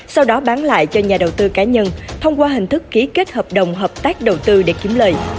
sau đó bán lại cho nhà đầu tư cá nhân thông qua hình thức ký kết hợp đồng hợp tác đầu tư để kiếm lời